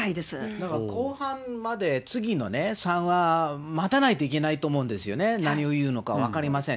だから後半まで次のね、３話、待たないといけないと思うんですよね、何を言うのか分かりません。